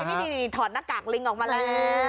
ใช่พี่ดินี่ถอนหน้ากากลิงออกมาแล้ว